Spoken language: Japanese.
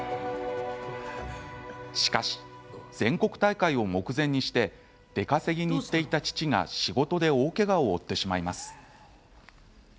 しかし、全国大会を目前にして出稼ぎに行っていた父が仕事で大けがを負ってしまいます。